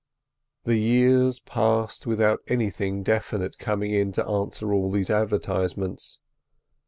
The years passed without anything definite coming in answer to all these advertisements.